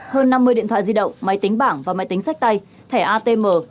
hơn năm mươi điện thoại di động máy tính bảng và máy tính sách tay thẻ atm